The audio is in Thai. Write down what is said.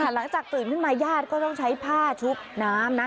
หลังจากตื่นขึ้นมาญาติก็ต้องใช้ผ้าชุบน้ำนะ